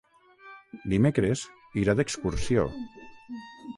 Dimecres irà d'excursió.